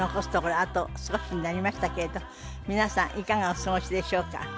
あと少しになりましたけれど皆さんいかがお過ごしでしょうか？